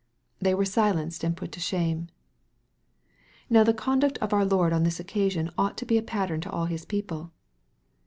They were silenced and put to shame. Now the conduct of our Lord on this occasion ought to be a pattern to all His people.